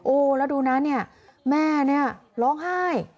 โอ้แล้วดูนะแม่นี่ร้องไห้